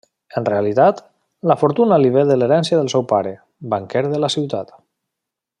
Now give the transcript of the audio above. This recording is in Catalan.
En realitat, la fortuna li ve de l’herència del seu pare, banquer de la ciutat.